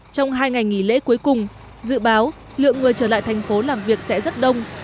trong hai ngày nghỉ lễ cuối cùng dự báo lượng người trở lại thành phố làm việc sẽ rất đông